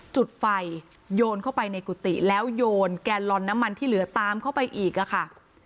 จุดไฟโยนเข้าไปในกุฏิแล้วโยนแกนลอนน้ำมันที่เหลือตามเข้าไปอีกอะค่ะ